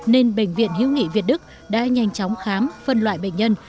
nên bệnh viện hiếu nghị việt đức đã nhanh chóng khám phân loại bệnh nhân